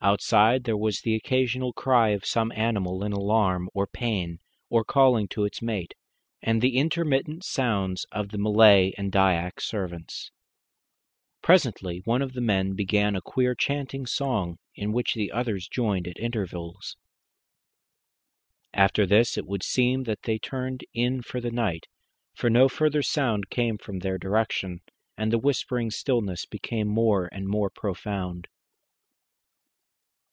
Outside there was the occasional cry of some animal in alarm or pain, or calling to its mate, and the intermittent sounds of the Malay and Dyak servants. Presently one of the men began a queer chanting song, in which the others joined at intervals. After this it would seem that they turned in for the night, for no further sound came from their direction, and the whispering stillness became more and more profound.